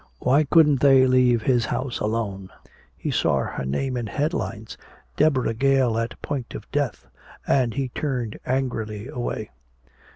Why couldn't they leave his house alone? He saw her name in headlines: "Deborah Gale at Point of Death." And he turned angrily away.